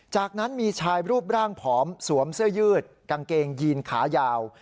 จากนั้นมีชายรูปร่างผอมสวมเสื้อยืดกางเกงยีนขายาว